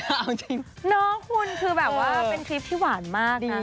เอาจริงน้องคุณคือแบบว่าเป็นทริปที่หวานมากนะ